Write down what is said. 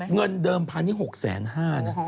เงินเดิมพันธุ์นี้๖๕๐๐บาท